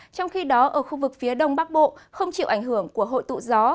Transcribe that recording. trong khi đó ở khu vực phía đông bắc bộ không chịu ảnh hưởng của hội tụ gió